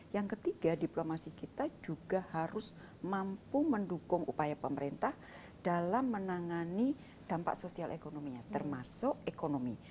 yang ketiga diplomasi kita juga harus mampu mendukung upaya pemerintah dalam menangani dampak sosial ekonominya termasuk ekonomi